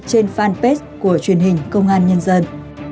trên fanpage của truyền hình công an nhân dân